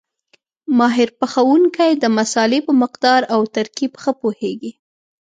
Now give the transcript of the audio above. ماهر پخوونکی د مسالې په مقدار او ترکیب ښه پوهېږي.